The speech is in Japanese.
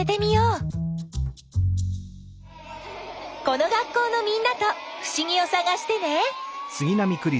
この学校のみんなとふしぎをさがしてね。